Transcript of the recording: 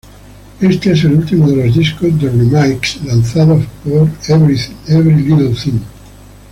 Este es el último de los discos "The Remixes" lanzados por Every Little Thing.